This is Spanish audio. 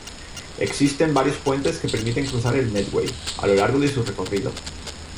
Existen varios puentes que permiten cruzar el Medway, a lo largo de su recorrido.